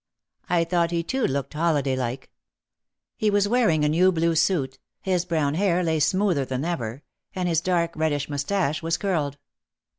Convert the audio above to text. I thought he too looked "holiday like." He was wearing a new blue suit, his brown hair lay smoother than ever and his dark reddish moustache was curled.